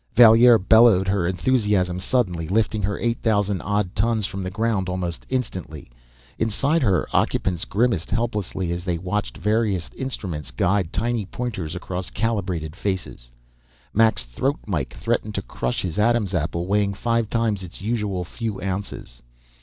Valier bellowed her enthusiasm suddenly, lifting her eight thousand odd tons from the ground almost instantly. Inside, her occupants grimaced helplessly as they watched various instruments guide tiny pointers across calibrated faces. Mac's throat mike threatened to crush his Adam's apple, weighing five times its usual few ounces.